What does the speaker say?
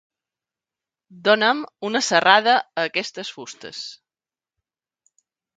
Dona'm una serrada a aquestes fustes.